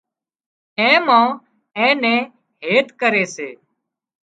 اين ما اين نين هيت ڪري سي